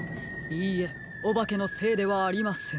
いいえおばけのせいではありません。